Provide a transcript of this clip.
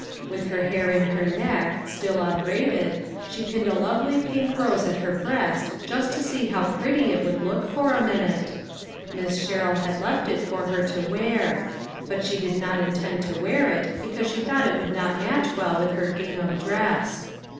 "With her hair in her neck, still un braided, she pinned a lovely pink rose at her breast just to see how pretty it would look for a minute. Miss Sherrill had left it for her to wear ; but she did not intend to wear it, because she thought it would not match well with her gingham dress.